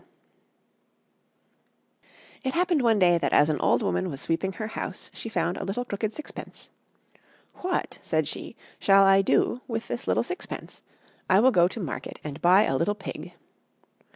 ] It happened one day that as an old woman was sweeping her house she found a little crooked sixpence. "What," said she, "shall I do with this little sixpence? I will go to market, and buy a little pig."